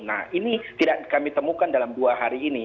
nah ini tidak kami temukan dalam dua hari ini